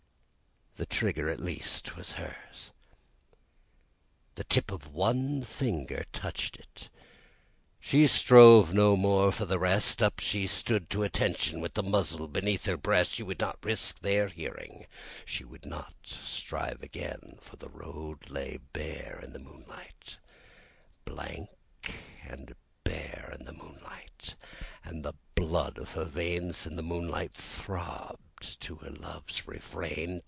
The trigger at least was hers! The tip of one finger touched it, she strove no more for the rest; Up, she stood up at attention, with the barrel beneath her breast. She would not risk their hearing, she would not strive again, For the road lay bare in the moonlight, Blank and bare in the moonlight, And the blood in her veins, in the moonlight, throbbed to her love's refrain.